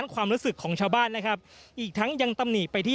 ความรู้สึกของชาวบ้านนะครับอีกทั้งยังตำหนิไปที่